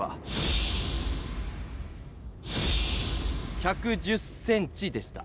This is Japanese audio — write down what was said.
１１０ｃｍでした。